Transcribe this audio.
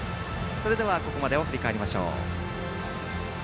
それではここまでを振り返ります。